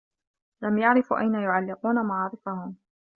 لم يعرفوا أين يعلّقون معاطفهم.